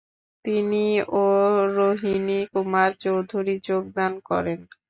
তিনি ও রোহিণী কুমার চৌধুরী যোগদান করেন।